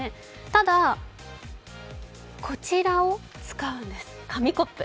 ただ、こちらを使うんです、紙コップ。